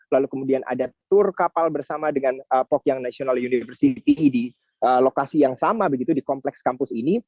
lalu kemudian ada tur kapal bersama dengan pokyn di lokasi yang sama di kompleks kampus ini